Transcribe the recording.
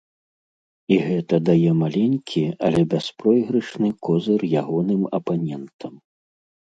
І гэта дае маленькі, але бяспройгрышны козыр ягоным апанентам.